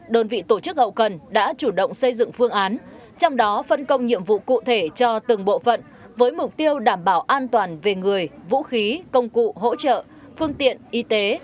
đơn vị tổ chức hậu cần đã chủ động xây dựng phương án trong đó phân công nhiệm vụ cụ thể cho từng bộ phận với mục tiêu đảm bảo an toàn về người vũ khí công cụ hỗ trợ phương tiện y tế